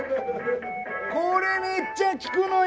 これめっちゃ聞くのよ！